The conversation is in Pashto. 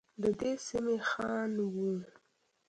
ددې سمي خان وه.